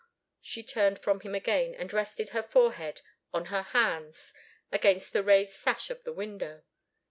She turned from him again and rested her forehead on her hands against the raised sash of the window.